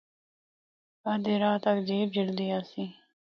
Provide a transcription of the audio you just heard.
ادھا راہ تک جیپ جُلدی آسی۔